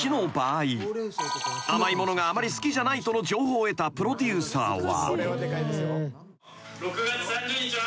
［「甘いものがあまり好きじゃない」との情報を得たプロデューサーは］